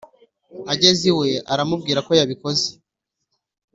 ageze iwe aramubwirakoyabikoze